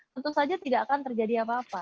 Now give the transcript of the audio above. tentu saja tidak akan terjadi apa apa